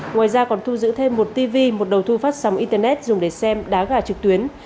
ngoài ra còn thu giữ thêm một tv một đầu thu phát sóng internet dùng để xem đá gà trực tuyến